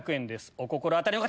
お心当たりの方！